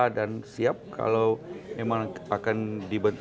dan siap kalau memang akan dibantu